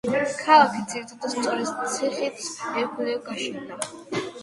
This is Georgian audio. ქალაქი ძირითადად სწორედ ციხის ირგვლივ გაშენდა.